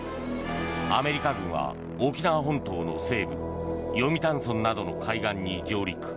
アメリカ軍は沖縄本島の西部読谷村などの海岸に上陸。